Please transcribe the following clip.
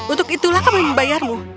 untuk itulah kami membayarmu